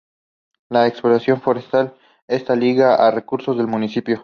La explotación forestal está ligada a recursos del municipio.